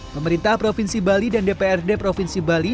pemerintah provinsi bali dan dprd provinsi bali